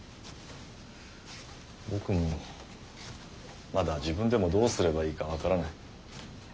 僕もまだ自分でもどうすればいいか分からない。